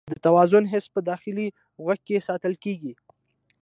د توازن حس په داخلي غوږ کې ساتل کېږي.